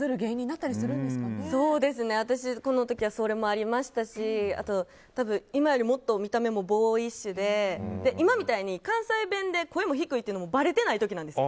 この時はそれもありましたしあと、今よりもっと見た目もボーイッシュで今みたいに関西弁で声も低いっていうのもばれてない時なんです。